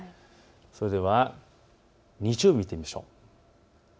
それでは日曜日を見てみましょう。